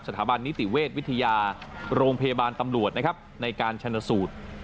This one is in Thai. สถาบันนิติเวชวิทยาโรงพยาบาลตำรวจนะครับในการชนสูตร